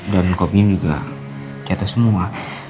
dan kopinya juga jatuh semua